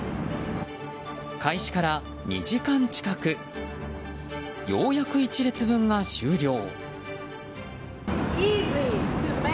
開始から２時間近くようやく１列分が終了。